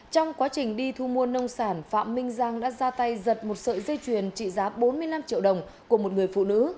trong quá trình đi thu mua nông sản phạm minh giang đã ra tay giật một sợi dây chuyền trị giá bốn mươi năm triệu đồng của một người phụ nữ